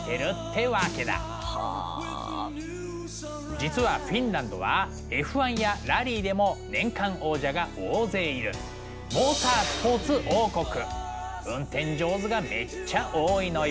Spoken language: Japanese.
実はフィンランドはＦ１やラリーでも年間王者が大勢いる運転上手がめっちゃ多いのよ。